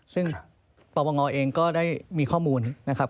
ซึ่งปวงอเองก็ได้ข้อมูล